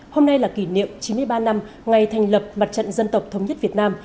hôm nay là kỷ niệm chín mươi ba năm ngày thành lập mặt trận dân tộc thống nhất việt nam